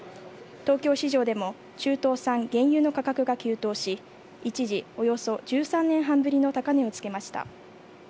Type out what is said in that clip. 東京市場でも、中東産原油の価格が急騰し、一時およそ１３年半ぶりの高値をつけました。